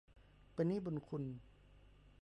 เป็นหนี้บุญคุณ